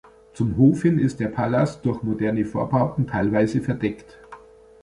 Zum Hof hin ist der Palas durch moderne Vorbauten teilweise verdeckt.